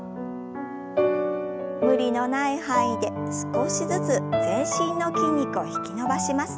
無理のない範囲で少しずつ全身の筋肉を引き伸ばします。